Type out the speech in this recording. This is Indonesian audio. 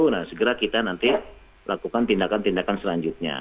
nah segera kita nanti lakukan tindakan tindakan selanjutnya